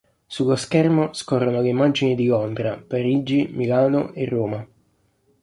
Sullo schermo scorrono le immagini di Londra, Parigi, Milano e Roma.